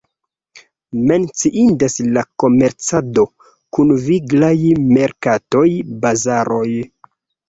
Menciindas la komercado kun viglaj merkatoj, bazaroj.